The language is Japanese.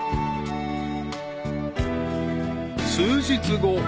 ［数日後］